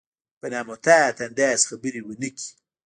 په نامحتاط انداز خبرې ونه کړي.